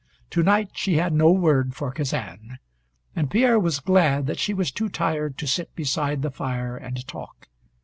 To night she had no word for Kazan. And Pierre was glad that she was too tired to sit beside the fire and talk.